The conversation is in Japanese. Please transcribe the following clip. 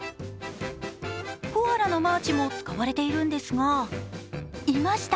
コアラのマーチも使われているんですがいました！